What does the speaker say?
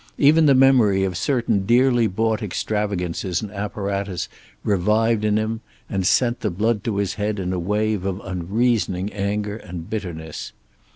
Even the memory of certain dearly bought extravagances in apparatus revived in him, and sent the blood to his head in a wave of unreasoning anger and bitterness.